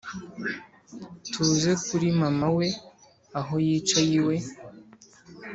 tuze kuri mama we aho yicaye iwe